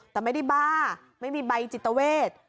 แต่ไม่ได้บ้าไม่มีใบจิตเวท